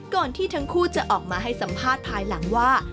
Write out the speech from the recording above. ก่อนที่ทั้งคู่จะออกมาให้สัมภาษณ์ภายหลังว่า